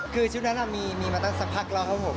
คือชุดนั้นมีมาตั้งสักพักแล้วครับผม